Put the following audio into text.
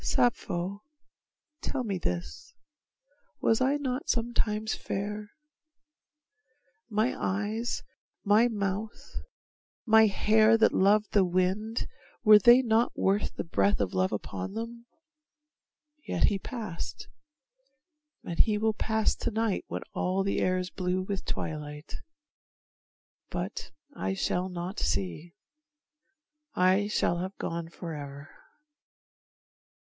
Sappho, tell me this, Was I not sometimes fair? My eyes, my mouth, My hair that loved the wind, were they not worth The breath of love upon them? Yet he passed, And he will pass to night when all the air Is blue with twilight; but I shall not see. I shall have gone forever.